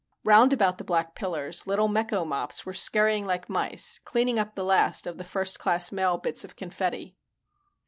Round about the black pillars, little mecho mops were scurrying like mice, cleaning up the last of the first class mail bits of confetti.